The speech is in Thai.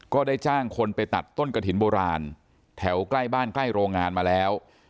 ก็ได้จ้างคนไปตัดต้นกระถิ่นโบราณแถวใกล้บ้านใกล้โรงงานมาแล้ว